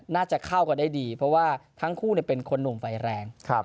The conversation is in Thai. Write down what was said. น่าจะเข้ากันได้ดีเพราะว่าทั้งคู่เป็นคนหนุ่มไฟแรง